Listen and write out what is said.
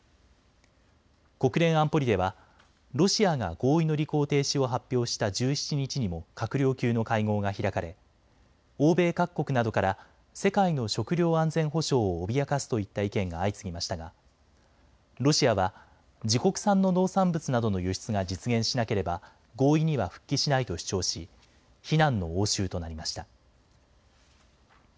国連安保理ではロシアが合意の履行停止を発表した１７日にも閣僚級の会合が開かれ欧米各国などから世界の食料安全保障を脅かすといった意見が相次ぎましたがロシアは自国産の農産物などの輸出が実現しなければ合意には復帰しないと主張し非難の応酬となりました。